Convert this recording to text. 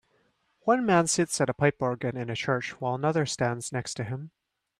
One man sits at a pipe organ in a church while another stands next to him.